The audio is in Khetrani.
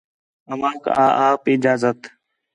اوانک آں آپ اجازت